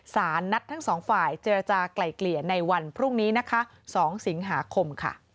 สานัดทั้งสองฝ่ายเจอจากไกล่เกลี่ยในวันพรุ่งนี้๒สิงหาคม